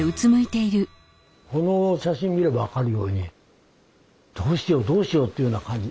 この写真見れば分かるようにどうしようどうしようっていうような感じ。